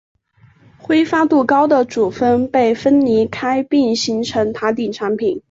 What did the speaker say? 挥发度高的组分被分离开并形成塔顶产品。